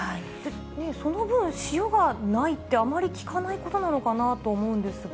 その分、塩がないってあまり聞かないことなのかなと思うんですが。